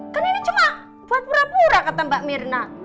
kan ini cuma buat pura pura kata mbak mirna